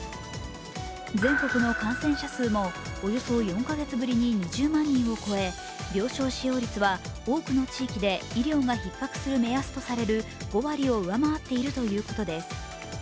全国の感染者数もおよそ４か月ぶりに２０万人を超え、病床使用率は多くの地域で医療がひっ迫する目安とされる５割を上回っているということです